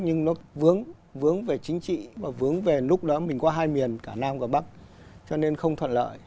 nhưng nó vướng vướng về chính trị và vướng về lúc đó mình có hai miền cả nam và bắc cho nên không thuận lợi